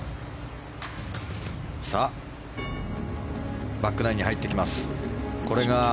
さあ、バックナインに入ってきます。